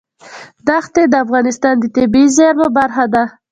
دښتې د افغانستان د طبیعي زیرمو برخه ده.